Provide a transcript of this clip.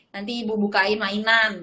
nanti ibu bukain mainan